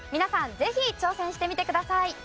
ぜひ挑戦してみてください。